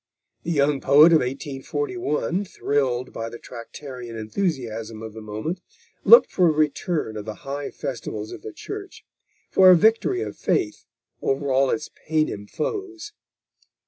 The young poet of 1841, thrilled by the Tractarian enthusiasm of the moment, looked for a return of the high festivals of the Church, for a victory of faith over all its Paynim foes.